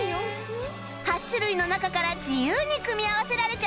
８種類の中から自由に組み合わせられちゃうよ